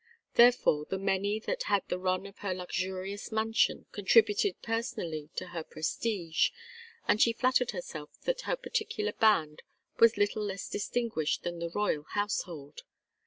Therefore, the many that had the run of her luxurious mansion contributed personally to her prestige, and she flattered herself that her particular band was little less distinguished than the Royal Household.